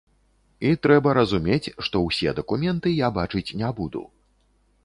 І трэба разумець, што ўсе дакументы я бачыць не буду.